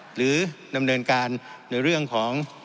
หรือดำเนินการในเรื่องของ